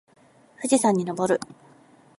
富士山に登る